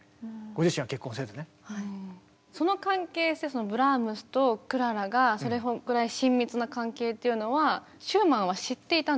まあ本当にその関係性ブラームスとクララがそれぐらい親密な関係っていうのはシューマンは知っていたんですか。